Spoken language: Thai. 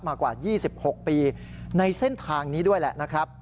มากว่า๒๖ปีในเส้นทางนี้ด้วยแหละนะครับ